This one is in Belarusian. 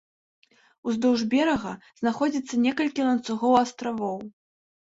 Уздоўж берага знаходзяцца некалькі ланцугоў астравоў.